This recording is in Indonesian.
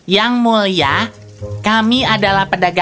yang mulia kami adalah pedagang